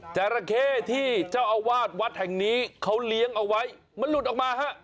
จราเข้ที่เจ้าอาวาสวัดแห่งนี้เขาเลี้ยงเอาไว้มันหลุดออกมาฮะ